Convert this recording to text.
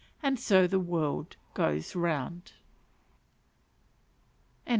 And so the world goes round.